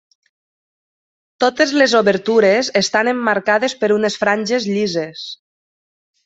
Totes les obertures estan emmarcades per unes franges llises.